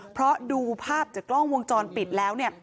เพราะดูภาพจากกล้องวงจรปิดแล้วเนี่ย